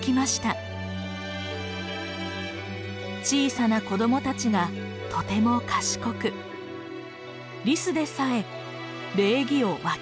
小さな子どもたちがとても賢くリスでさえ礼儀をわきまえているのです。